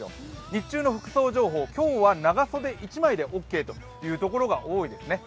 日中の服装情報、今日は長袖１枚でオーケーというところが多いですね。